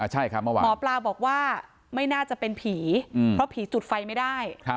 ใช่ครับหมอปลาบอกว่าไม่น่าจะเป็นผีเพราะผีจุดไฟไม่ได้